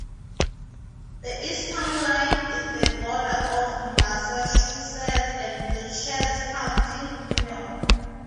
The east town line is the border of Massachusetts and Dutchess County, New York.